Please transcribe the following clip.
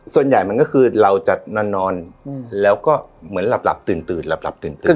ส่วนใหญ่มันก็คือเราจะนอนนอนอืมแล้วก็เหมือนหลับหลับตื่นตื่นหลับหลับตื่นตื่น